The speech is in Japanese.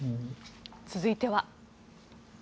続いては。